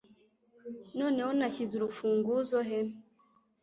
Noneho nashyize urufunguzo he?